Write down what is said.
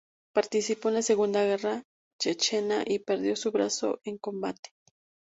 Participó en la Segunda Guerra Chechena y perdió su brazo en combate.